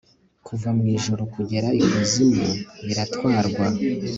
kuva mu ijuru kugera ikuzimu biratwarwa